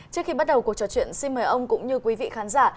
trước khi bắt đầu cuộc trò chuyện xin mời ông cũng như quý vị khán giả